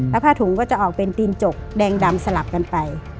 แล้วผ้าถุงก็จะออกเป็นตีนจกแดงดำสลับกันไป